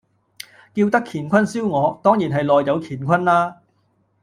叫得乾坤燒鵝，當然係內有乾坤啦